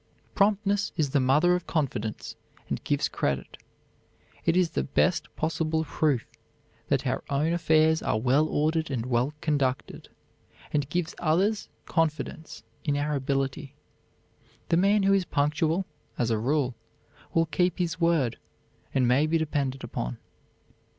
Promptness is the mother of confidence and gives credit. It is the best possible proof that our own affairs are well ordered and well conducted, and gives others confidence in our ability. The man who is punctual, as a rule, will keep his word, and may be depended upon.